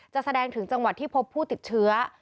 แสดงถึงจังหวัดที่พบผู้ติดเชื้อ